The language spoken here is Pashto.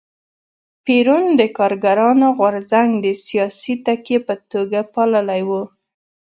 پېرون د کارګرانو غورځنګ د سیاسي تکیې په توګه پاللی و.